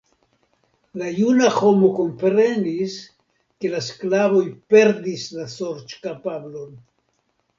La juna homo komprenis, ke la sklavoj perdis la sorĉkapablon.